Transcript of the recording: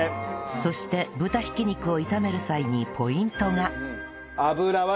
そして豚ひき肉を炒める際にポイントが